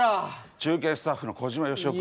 中継スタッフの小島よしお君。